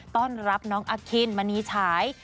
ต้อนรับน้องอคินมณีฉาย